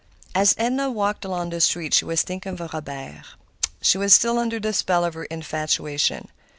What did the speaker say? As Edna walked along the street she was thinking of Robert. She was still under the spell of her infatuation.